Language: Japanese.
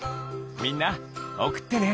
みんなおくってね。